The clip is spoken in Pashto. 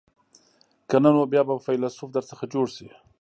که نه نو بیا به فیلسوف در څخه جوړ شي.